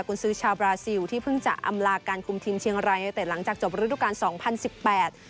คุณซื้อชาวบราซิลที่เพิ่งจะอำลาการคุมทีมเชียงรายในเตะหลังจากจบฤดูการสองพันสิบแปด